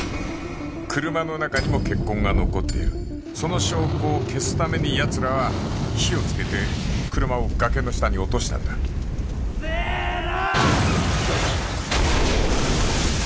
・車の中にも血痕が残っているその証拠を消すためにやつらは火をつけて車を崖の下に落としたんだせの！